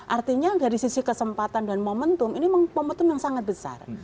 artinya dari sisi kesempatan dan momentum ini momentum yang sangat besar